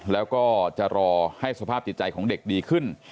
แล้วก็จะรอให้สภาพจิตใจของเด็กดีขึ้น